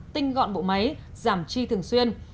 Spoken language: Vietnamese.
tinh gọn bộ máy giảm chi thường xuyên